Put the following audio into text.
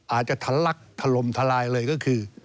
อาจจะทะลักถล่มทลายเลยก็คือ